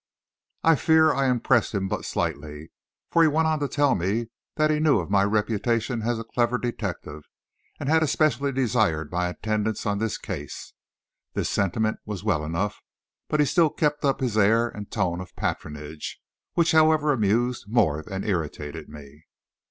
I fear I impressed him but slightly, for he went on to tell me that he knew of my reputation as a clever detective, and had especially desired my attendance on this case. This sentiment was well enough, but he still kept up his air and tone of patronage, which however amused more than irritated me.